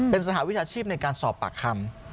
เป็นสหวิชาชีพในการสอบปากคำ